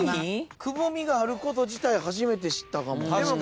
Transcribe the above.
くぼみがあること自体初めて知ったかも。